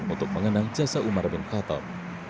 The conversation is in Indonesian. untuk mengenang jasa umar bin khattab